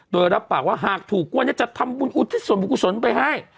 โดยรับปากว่าหากถูกวันนี้จะทำบุญอุทิศส่วนบุญกุศลไปให้